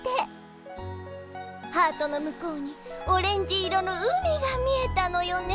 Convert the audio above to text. ハートの向こうにオレンジ色の海が見えたのよね。